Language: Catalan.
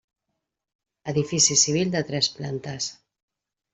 Edifici civil de tres plantes.